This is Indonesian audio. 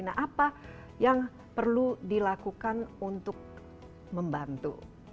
nah apa yang perlu dilakukan untuk membantu